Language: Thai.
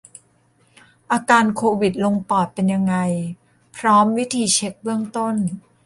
อาการโควิดลงปอดเป็นยังไง พร้อมวิธีเช็กเบื้องต้น